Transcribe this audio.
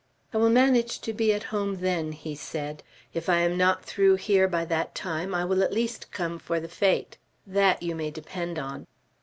"I will manage to be at home then," he said. "If I am not through here by that time, I will at least come for the fete. That you may depend on."